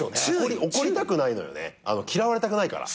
怒りたくないのよね嫌われたくないから。